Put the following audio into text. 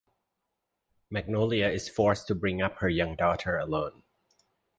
Magnolia is forced to bring up her young daughter alone.